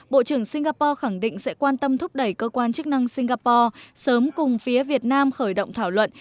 bộ trưởng singapore khẳng định sẽ quan tâm thúc đẩy cơ quan chức năng singapore sớm cùng phía việt nam khởi động thảo luận